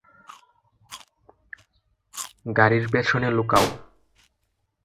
গাড়ির পেছনে লুকাও।